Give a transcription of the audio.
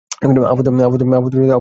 আপদগুলো জ্বালিয়ে মারলো।